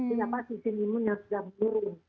jadi apa sisi imun yang sudah menurun